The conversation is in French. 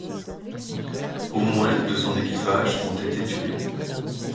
Au moins de son équipage ont été tués.